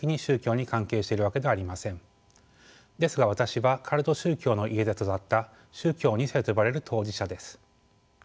ですが私はカルト宗教の家で育った宗教２世と呼ばれる当事者です。